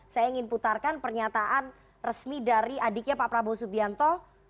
saya ingin putarkan pernyataan resmi dari adiknya pak prabowo subianto